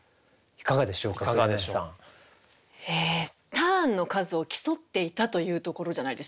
ターンの数を競っていたというところじゃないですか？